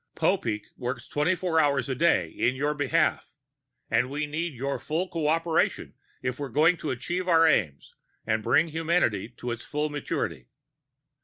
Popeek works twenty four hours a day in your behalf, but we need your full cooperation if we're going to achieve our aims and bring humanity to its full maturity.